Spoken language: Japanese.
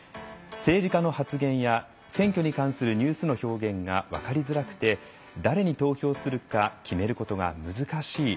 政治家の発言や選挙に関するニュースの表現が分かりづらくて誰に投票するか決めることが難しい。